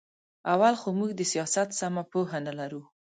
اول خو موږ د سیاست سمه پوهه نه لرو.